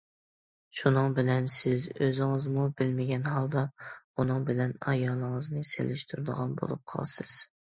شۇنىڭ بىلەن سىز ئۆزىڭىزمۇ بىلمىگەن ھالدا ئۇنىڭ بىلەن ئايالىڭىزنى سېلىشتۇرىدىغان بولۇپ قالىسىز.